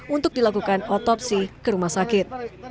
untuk dilakukan otopsi ke rumah sakit